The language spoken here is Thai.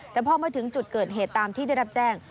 แต่พอมาถึงจุดเกิดเหตุตามที่ได้รับแจ้ง